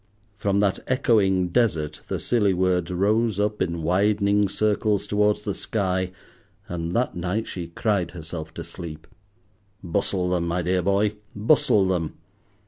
From that echoing desert the silly words rose up in widening circles towards the sky, and that night she cried herself to sleep. Bustle them, my dear boy, bustle them.